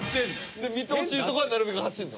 見通しいい所はなるべく走るの？